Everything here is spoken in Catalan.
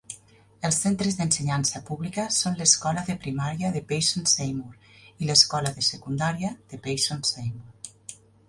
Els centres d'ensenyança pública són l'escola de primària de Payson-Seymour i l'escola de secundària de Payson-Seymour.